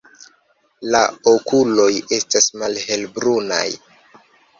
La okuloj estas malhelbrunaj.